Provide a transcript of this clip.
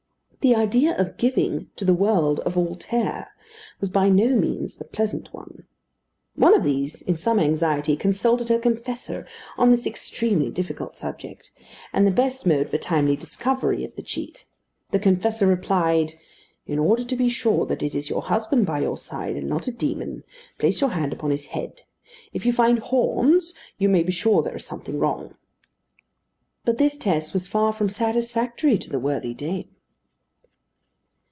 The idea of giving to the world a Voltaire was by no means a pleasant one. One of these, in some anxiety, consulted her confessor on this extremely difficult subject, and the best mode for timely discovery of the cheat. The confessor replied, "In order to be sure that it is your husband by your side, and not a demon, place your hand upon his head. If you find horns, you may be sure there is something wrong." But this test was far from satisfactory to the worthy dame.